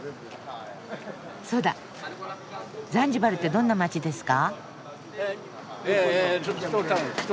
そうだザンジバルってどんな街ですか？